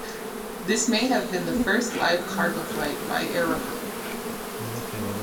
This may have been the first live cargo flight by aeroplane.